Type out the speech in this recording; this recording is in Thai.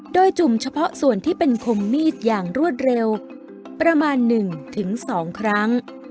โดยจุ่มเฉพาะส่วนที่เป็นคมมีดอย่างรวดเร็วประมาณ๑๒ครั้ง